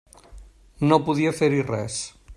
No podia fer-hi res.